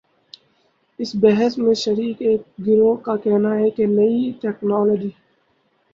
اس بحث میں شریک ایک گروہ کا کہنا ہے کہ نئی ٹیکنالوجی